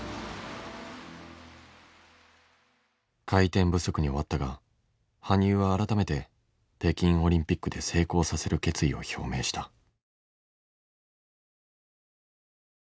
回転不足に終わったが羽生は改めて北京オリンピックで成功させる決意を表明した。